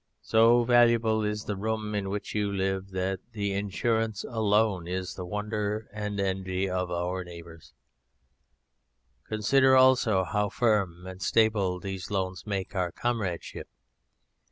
So valuable is the room in which you live that the insurance alone is the wonder and envy of our neighbours. Consider also how firm and stable these loans make our comradeship.